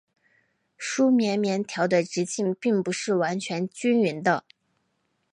梳棉棉条的直径并不是完全均匀的。